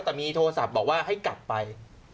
แต่มีโทรศัพท์บอกว่าให้กลับไป